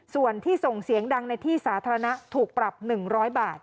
ส่วนที่ส่งเสียงดังในที่สาธารณะถูกปรับ๑๐๐บาท